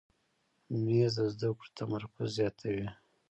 مېز د زده کړو تمرکز زیاتوي.